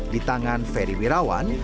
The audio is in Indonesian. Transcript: di tangan ferry wirawan